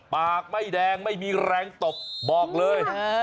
ปากไม่แดงไม่มีแรงตบบอกเลย